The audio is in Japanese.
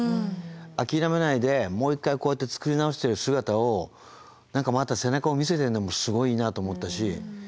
諦めないでもう一回こうやって作り直してる姿を何かまた背中を見せてるのもすごいなと思ったし。